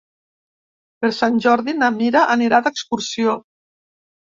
Per Sant Jordi na Mira anirà d'excursió.